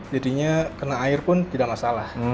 jadinya kena air pun tidak masalah